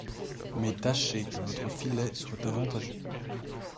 Mais tâchez que votre filet soit avantageux.